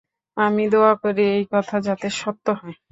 আমি দোয়া করি এই কথা যাতে সত্য হয়।